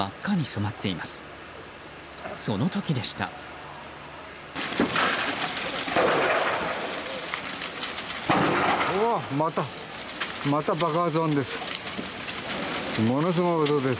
また、爆発音です。